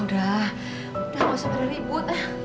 udah gak usah beribut